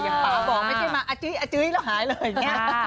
อย่างป่าบอกไม่ใช่มาอาจื๊ยแล้วหายเลยอย่างนี้